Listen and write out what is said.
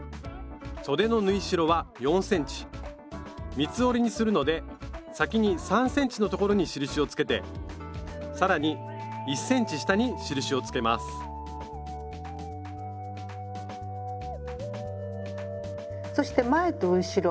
三つ折りにするので先に３ｃｍの所に印をつけて更に１ｃｍ下に印をつけますそして前と後ろ。